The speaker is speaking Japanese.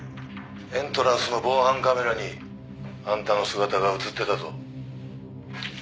「エントランスの防犯カメラにあんたの姿が映ってたぞ」